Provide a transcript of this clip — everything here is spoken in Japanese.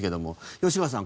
吉川さん